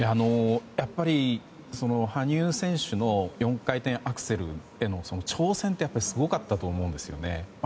やっぱり、羽生選手の４回転アクセルへの挑戦というのはすごかったと思うんです。